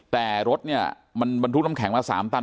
แต่รถบรรทุกน้ำแข็งมา๓ตัน